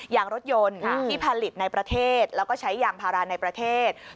ยางรถยนต์ที่ผลิตในประเทศแล้วก็ใช้ยางพาราในประเทศ